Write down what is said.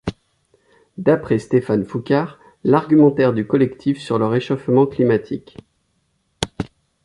D'après Stéphane Foucart, l'argumentaire du collectif sur le réchauffement climatique.